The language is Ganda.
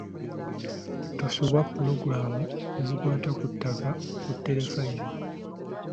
Tosubwa pulogulaamu ezikwata ku ttaka ku Terefayina.